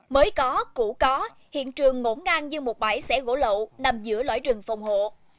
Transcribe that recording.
mới có cũ có hiện trường ngỗ ngang như một bãi xẻ gỗ lậu nằm giữa lõi rừng phòng hộ